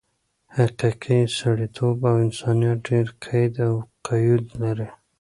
حقیقي سړیتوب او انسانیت ډېر قید او قیود لري.